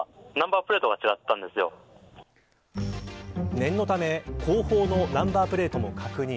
念のため後方のナンバープレートも確認。